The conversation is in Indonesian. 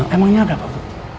emangnya ada pak